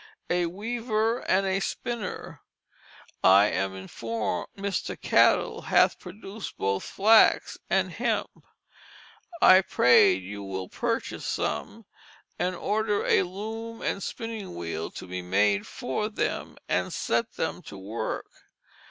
a Weaver and a Spinner. I am informed Mr. Cattle hath produced both Flax and Hemp. I pray you will purchase some, and order a loom and spinning wheel to be made for them, and set them to work.